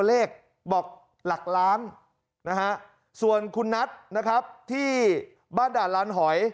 เลขบอกหลักล้านนะฮะส่วนคุณนัทนะครับที่บ้านด่านลานหอย